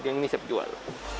yang ini siap dijual